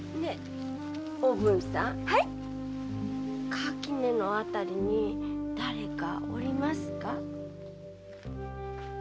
垣根の辺りに誰かおりますか？